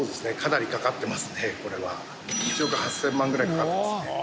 １億８０００万ぐらいかかってますね。